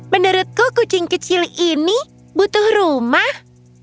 menurutku kucing kecil ini butuh rumah